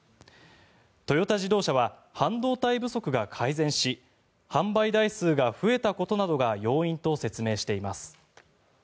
トヨタ自動車は半導体不足が改善し販売台数が増えたことなどが要因と説明しています。